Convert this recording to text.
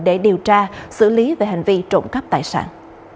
để điều tra xử lý về hành vi trộm cắp tài sản